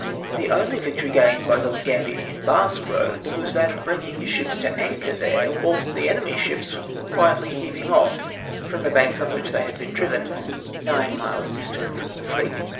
The only victory gained by Lord Gambler in Basque IJoads was that of bringing his ships to anchor there whilst the enemy's ships were quietly heaving off" from the hanks on which they had been driven, nine miles distant fi'om the fleet.